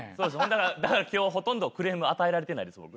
だから今日ほとんどクレーム与えられてないです僕。